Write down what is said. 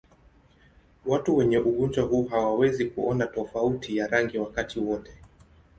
Watu wenye ugonjwa huu hawawezi kuona tofauti ya rangi wakati wote.